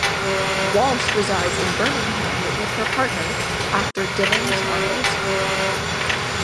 Walsh resides in Birmingham with her partner, actor Dylan Charles.